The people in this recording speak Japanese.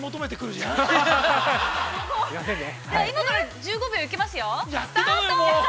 ◆じゃあ、今から１５秒行きますよ。